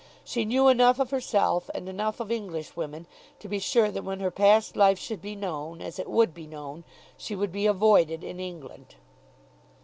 She knew enough of herself, and enough of Englishwomen, to be sure that when her past life should be known, as it would be known, she would be avoided in England.